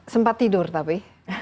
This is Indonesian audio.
sempat tidur tapi